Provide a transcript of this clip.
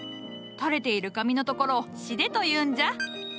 垂れている紙のところをしでというんじゃ。